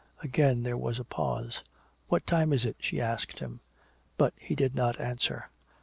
Again there was a pause. "What time is it?" she asked him. But he did not answer.